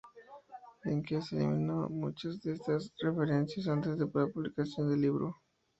Dickens eliminó muchas de estas referencias antes de la publicación del libro.